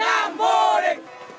việt nam vô địch